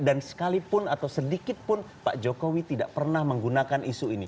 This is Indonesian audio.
dan sekalipun atau sedikit pun pak jokowi tidak pernah menggunakan isu ini